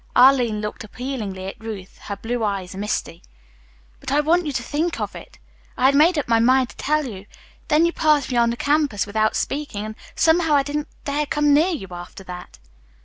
Arline looked appealingly at Ruth, her blue eyes misty. "But I want you to think of it. I had made up my mind to tell you. Then you passed me on the campus without speaking, and somehow I didn't dare come near you after that."